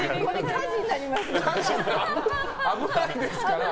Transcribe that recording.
火事になりますよ、これ。